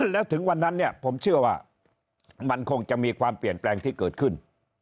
แล้วถึงวันนั้นเนี่ยผมเชื่อว่ามันคงจะมีความเปลี่ยนแปลงที่เกิดขึ้น